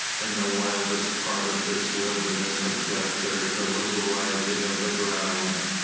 In the wildest part of this wilderness of death there is a little rising of the ground.